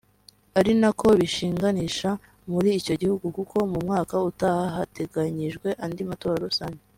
ari nako bishinganisha muri icyo gihugu kuko mu mwaka utaha hateganyijwe andi matora rusange